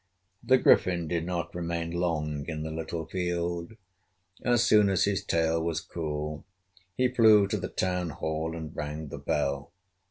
The Griffin did not remain long in the little field. As soon as his tail was cool he flew to the town hall and rang the bell.